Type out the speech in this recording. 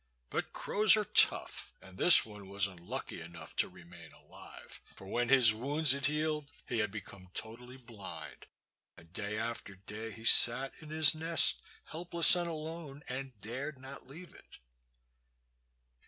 But crows are tough, and this one was unlucky enough to remain alive. For when his wounds had healed he had become totally blind, and day after day he sat in his nest, helpless and alone, and dared not leave it.